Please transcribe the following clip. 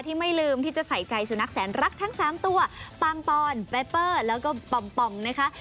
ไม่ลืมที่จะใส่ใจสุนัขแสนรักทั้ง๓ตัวปางปอนแบเปเปอร์แล้วก็ปอมนะคะ